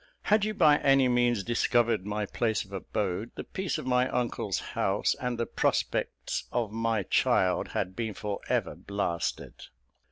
Had you by any means discovered my place of abode, the peace of my uncle's house, and the prospects of my child had been for ever blasted.